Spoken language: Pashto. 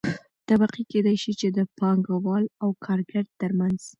طبقې کيدى شي چې د پانګه وال او کارګر ترمنځ